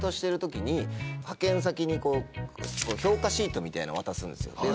派遣先にこう評価シートみたいの渡すんですよで